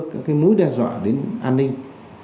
các mối đe dọa đến an ninh